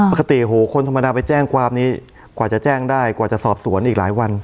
โหคนธรรมดาไปแจ้งความนี้กว่าจะแจ้งได้กว่าจะสอบสวนอีกหลายวัน